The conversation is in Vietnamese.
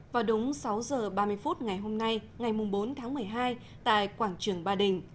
vào đúng sáu giờ ba mươi phút ngày hôm nay ngày bốn tháng một mươi hai tại quảng trường ba đình